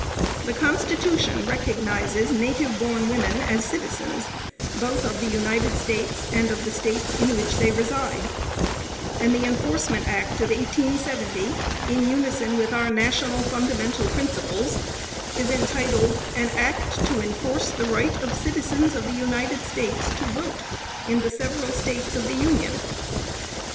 The Constitution recognizes native born women as citizens, both of the United States, and of the States in which they reside, and the Enforcement Act of 1870, in unison with our national fundamental principles, is entitled "An Act to enforce the right of citizens of the United States to vote in the several States of the Union."